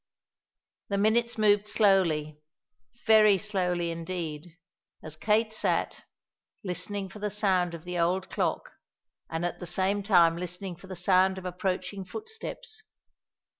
The minutes moved slowly, very slowly indeed, as Kate sat, listening for the sound of the old clock, and at the same time listening for the sound of approaching footsteps.